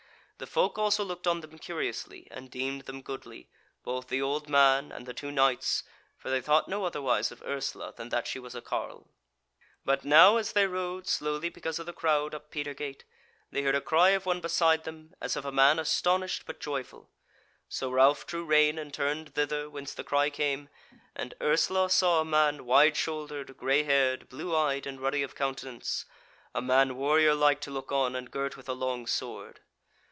The folk also looked on them curiously, and deemed them goodly, both the old man and the two knights, for they thought no otherwise of Ursula than that she was a carle. But now as they rode, slowly because of the crowd, up Petergate, they heard a cry of one beside them, as of a man astonished but joyful; so Ralph drew rein, and turned thither whence the cry came, and Ursula saw a man wide shouldered, grey haired, blue eyed, and ruddy of countenance a man warrior like to look on, and girt with a long sword.